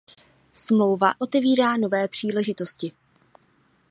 Smlouva otevírá nové příležitosti.